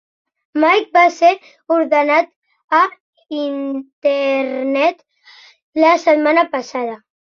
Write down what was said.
Mike va ser ordenat a Internet la setmana passada.